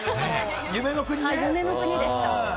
夢の国でした。